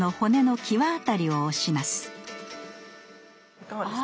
いかがですか？